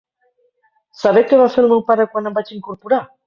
Saber què va fer el meu pare quan em vaig incorporar?